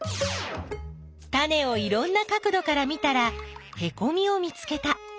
タネをいろんな角どから見たらへこみを見つけた。